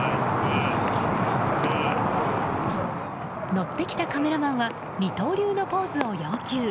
のってきたカメラマンは二刀流のポーズを要求。